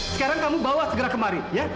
sekarang kamu bawa segera kemari ya